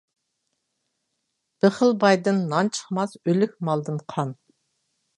بېخىل بايدىن نان چىقماس، ئۆلۈك مالدىن قان.